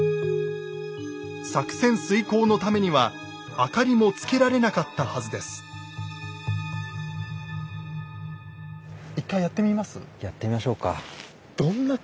作戦遂行のためには明かりもつけられなかったはずですやってみましょうか。